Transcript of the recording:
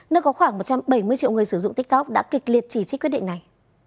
nơi có khoảng một trăm bảy mươi triệu người sử dụng tiktok đã kịch liệt chỉ trích quyết định này